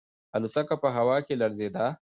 الوتکه په هوا کې لړزیده.